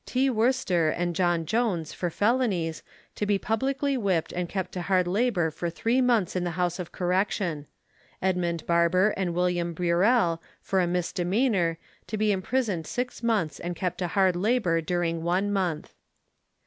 T. Worcester and John Jones, for felonies, to be publicly whipped and kept to hard labour for three months in the House of Correction. Edmund Barber and William Burrell, for a misdemeanour, to be imprisoned six months and kept to hard labour during one month.